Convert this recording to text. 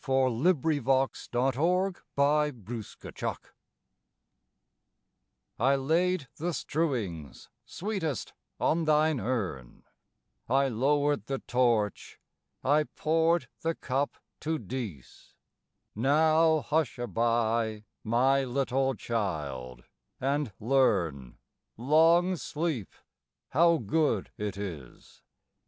ALEXANDRIANA Alexandriana I I LAID the strewings, sweetest, on thine urn; I lowered the torch, I poured the cup to Dis. Now hushaby, my little child, and learn Long sleep how good it is.